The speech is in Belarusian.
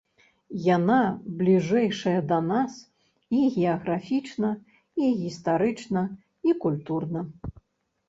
Яна бліжэйшая да нас і геаграфічна, і гістарычна, і культурна.